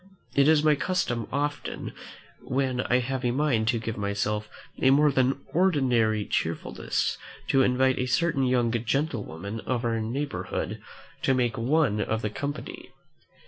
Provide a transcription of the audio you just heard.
It is my custom often, when I have a mind to give myself a more than ordinary cheerfulness, to invite a certain young gentlewoman of our neighbourhood to make one of the company.